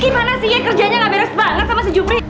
gimana sih ya kerjanya gak beres banget sama sejumri